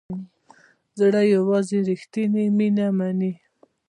زړه یوازې ریښتیني مینه مني.